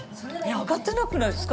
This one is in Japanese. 上がってなくないですか？